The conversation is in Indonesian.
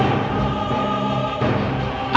kau tidak bisa menjadi siapa pun selain iblis